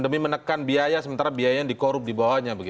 menekan biaya sementara biaya yang dikorup di bawahnya